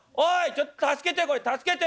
ちょっと助けてこれ助けて！」。